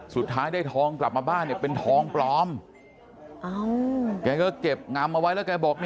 สุดท้ายได้ทองกลับมาบ้านเนี่ยเป็นทองปลอมแกก็เก็บงำเอาไว้แล้วแกบอก